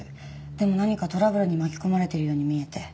でも何かトラブルに巻き込まれているように見えて。